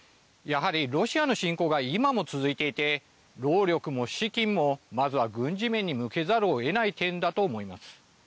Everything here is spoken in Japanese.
やはりロシアの侵攻が今も続いていて労力も資金もまずは軍事面に向けざるをえない点だと思います。